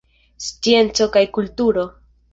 Scienco kaj kulturo.